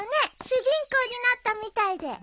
主人公になったみたいで。